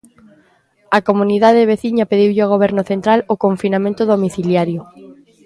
A comunidade veciña pediulle ao goberno central o confinamento domiciliario.